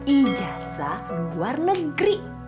ijazah luar negeri